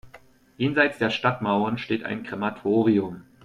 Jenseits der Stadtmauern steht ein Krematorium.